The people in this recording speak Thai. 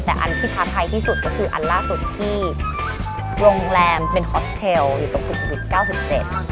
แต่อันที่ท้าทายที่สุดก็คืออันล่าสุดที่โรงแรมเป็นฮอสเทลอยู่ตรงสุขุวิตเก้าสิบเจ็ด